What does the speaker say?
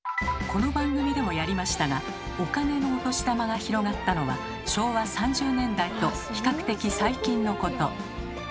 この番組でもやりましたがお金のお年玉が広がったのは昭和３０年代と比較的最近のこと。